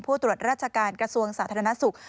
ตรวจราชการกระทรวงสาธารณสุข